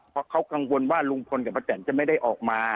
เพราะเขากังวลว่าลุงพลกับป้าแตนจะไม่ได้ออกมา